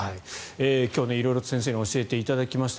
今日、色々と先生に教えていただきました。